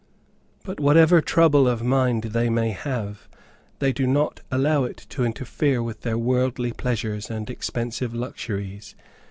But whatever trouble of mind they may have, they do not allow it to interfere with their worldly pleasures, and expensive luxuries.